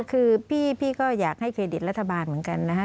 คือพี่ก็อยากให้เครดิตรัฐบาลเหมือนกันนะฮะ